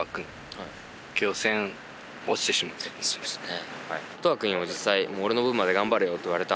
そうっすね。